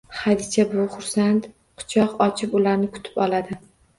Xadicha buvi xursand quchoq ochib ularni kutib oladi.